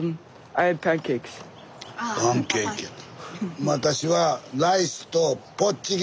パンケーキやて。